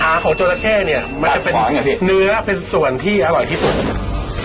ของจราเข้เนี้ยมันจะเป็นเนื้อเป็นส่วนที่อร่อยที่สุด